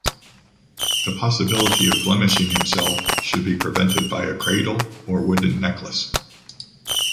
The possibility of blemishing himself should be prevented by a cradle or wooden necklace.